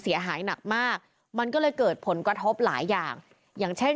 เสียหายหนักมากมันก็เลยเกิดผลกระทบหลายอย่างอย่างเช่น